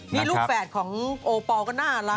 นี่ลูกแฝดของโอปอลก็น่ารัก